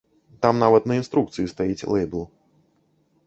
Там нават на інструкцыі стаіць лэйбл.